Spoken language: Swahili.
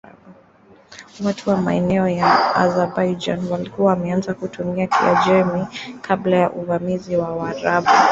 Watu wa maeneo ya Azerbaijan walikuwa wameanza kutumia Kiajemi kabla ya uvamizi wa Waarabu.